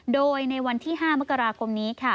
โดยในวันที่๕มกราคมนี้ค่ะ